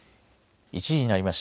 １時になりました。